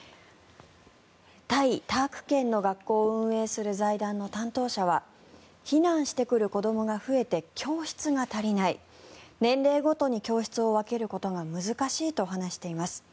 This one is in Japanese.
タイ・ターク県の学校を運営する財団の担当者は避難してくる子どもが増えて教室が足りない年齢ごとに教室を分けることが難しいと話しています。